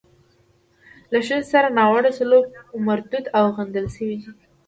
له ښځې سره ناوړه سلوک مردود او غندل شوی دی.